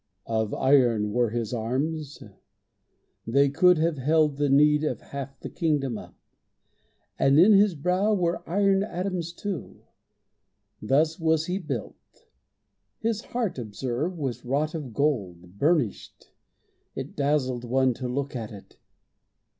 Of iron were his arms; they could have held The need of half the kingdom up; and in His brow were iron atoms too. Thus was He built. His heart, observe, was wrought of gold, Burnished; it dazzled one to look at it.